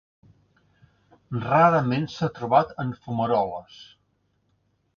Rarament s'ha trobat en fumaroles.